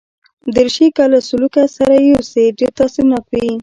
دریشي که له سلوکه سره یوسې، ډېر تاثیرناک وي.